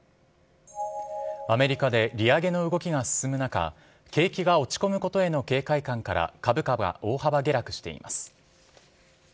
アメリカで利上げの動きが進む中、景気が落ち込むことへの警戒感から、株価は大幅下落しています。